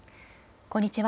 こんにちは。